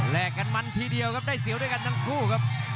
กันมันทีเดียวครับได้เสียวด้วยกันทั้งคู่ครับ